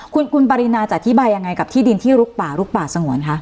คุณปรินาจะอธิบายยังไงกับที่ดินที่ลุกป่าลุกป่าสงวนคะ